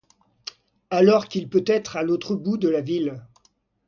Alors qu'il peut être à l'autre bout de la ville.